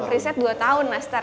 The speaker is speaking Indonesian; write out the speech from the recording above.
riset dua tahun nastar